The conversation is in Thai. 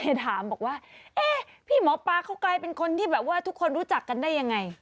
แฟนร่วมไปถามพี่หมอบ๊ากไปเป็นคนที่ทุกคนรู้จักกันได้ยังไง